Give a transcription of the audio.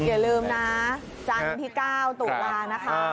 อย่าลืมนะจันทร์ที่๙ตุลานะคะ